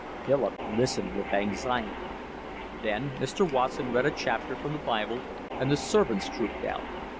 Philip listened with anxiety. Then Mr. Watson read a chapter from the Bible, and the servants trooped out.